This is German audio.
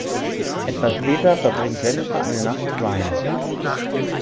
Etwas später verbringt Jennifer eine Nacht mit Ryan.